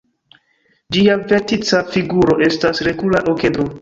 Ĝia vertica figuro estas regula okedro.